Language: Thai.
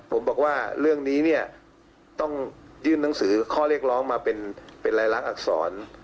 ผมบอกว่าเรื่องนี้เนี่ยต้องยื่นหนังสือข้อเรียกร้องมาเป็นรายลักษณ์อักษร